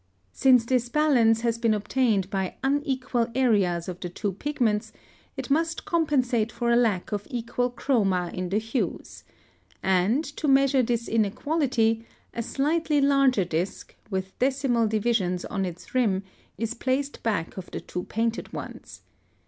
(109) Since this balance has been obtained by unequal areas of the two pigments, it must compensate for a lack of equal chroma in the hues (see paragraphs 76, 77); and, to measure this inequality, a slightly larger disc, with decimal divisions on its rim, is placed back of the two painted ones.